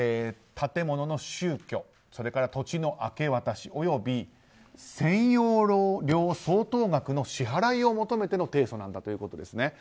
建物の収去それから土地の明け渡し及び占用料相当額の支払いを求めての提訴なんだということです。